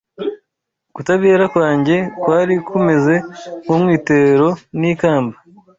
Kutabera kwanjye kwari kumeze nk’umwitero n’ikamba